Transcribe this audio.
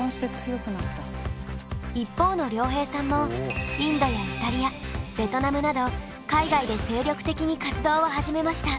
一方の良平さんもインドやイタリアベトナムなど海外で精力的に活動を始めました。